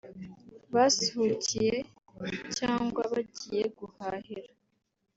basuhukiye cyangwa bagiye guhahira